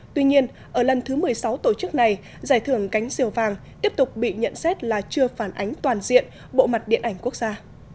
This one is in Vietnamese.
tuy nhiên ở lần thứ một mươi sáu tổ chức này giải thưởng cánh diều vàng tiếp tục bị nhận xét là chưa phản ánh toàn diện bộ mặt điện ảnh quốc gia